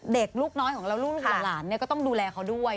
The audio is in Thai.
เด็กลูกน้อยของเราลูกหลานก็ต้องดูแลเขาด้วย